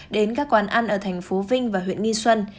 đến các quán ăn ở thành phố vinh và huyện nghi xuân